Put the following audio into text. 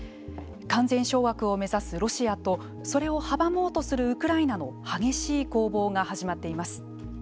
完全掌握を目指すロシアとそれを阻もうとするウクライナの激しい攻防が始まっています。